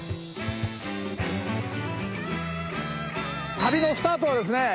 旅のスタートはですね